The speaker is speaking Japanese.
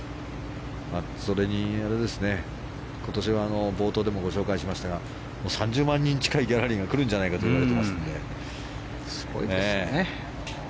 それに、今年は冒頭でもご紹介しましたが３０万人近いギャラリーが来るんじゃないかといわれてますので。